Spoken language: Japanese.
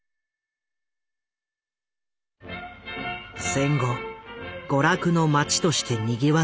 戦後娯楽の街としてにぎわった浅草。